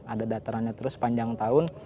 ada datarannya terus sepanjang tahun